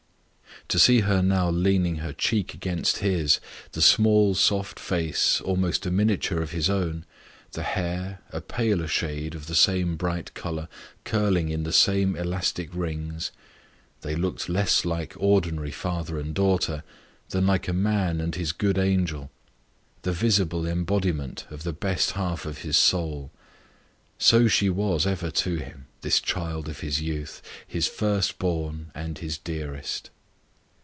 To see her now leaning her cheek against his the small soft face, almost a miniature of his own, the hair, a paler shade of the same bright colour, curling in the same elastic rings they looked less like ordinary father and daughter, than like a man and his good angel; the visible embodiment of the best half of his soul. So she was ever to him, this child of his youth his first born and his dearest.